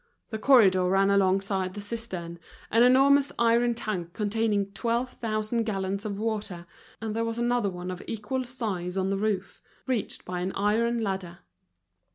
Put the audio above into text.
The corridor ran alongside the cistern, an enormous iron tank containing twelve thousand gallons of water; and there was another one of equal size on the roof, reached by an iron ladder.